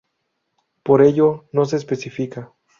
Por ello, no se especifica.